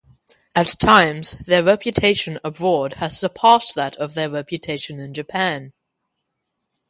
At times, their reputation abroad has surpassed that of their reputation in Japan.